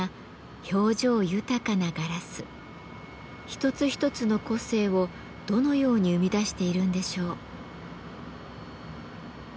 一つ一つの個性をどのように生み出しているんでしょう？